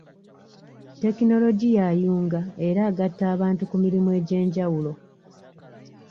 Tekinologiya ayunga era agata abantu ku mirimu egy'enjawulo.